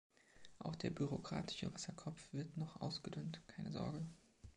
Auch der bürokratische Wasserkopf wird noch ausgedünnt, keine Sorge.